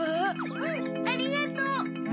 うんありがとう。